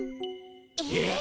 えっ？